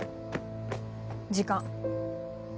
時間。